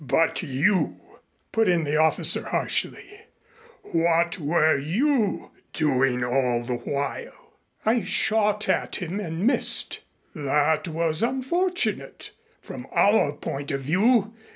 "But you" put in the officer harshly "what were you doing all the while?" "I shot at him and missed." "That was unfortunate from our point of view.